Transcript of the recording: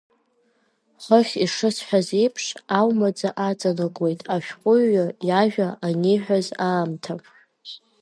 Хыхь ишысҳәаз еиԥш, аумаӡа аҵанакуеит ашәҟәыҩҩы иажәа аниҳәаз аамҭа.